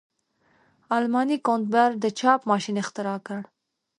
آلماني ګونتبر د چاپ ماشین اختراع کړ.